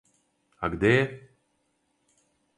А где је?